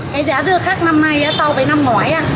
cái giá dưa khác năm nay so với năm ngoái